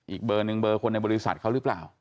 อีกเบอร์หนึ่งเบอร์คนในบริษัทเขาหรือเปล่า